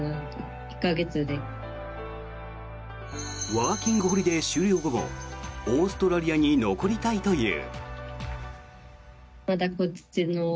ワーキングホリデー終了後もオーストラリアに残りたいという。